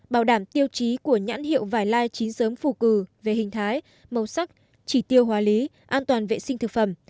bảo đảm tiêu chí của nhãn hiệu vải lai chín sớm phù cử về hình thái màu sắc chỉ tiêu hóa lý an toàn vệ sinh thực phẩm